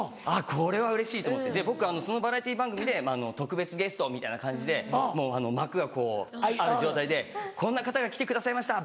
これはうれしいと思って僕そのバラエティー番組で特別ゲストみたいな感じでもう幕がこうある状態で「こんな方が来てくださいました」